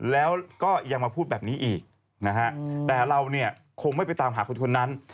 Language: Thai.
แล้วก็ยังมาพูดแบบนี้อีกนะฮะแต่เราเนี่ยคงไม่ไปตามหาคนนั้น